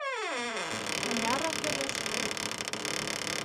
— Мыняррак йодешыже?